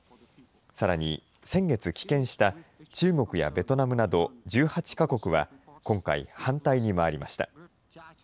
さらに先月棄権した中国やベトナムなど１８か国は今回、反対に回りました。